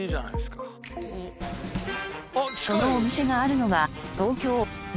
そのお店があるのが。